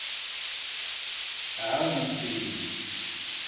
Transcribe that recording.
Ɛewnemt-iyi.